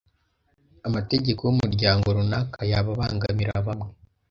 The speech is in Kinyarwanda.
amategeko y’umuryango runaka yaba abangamira bamwe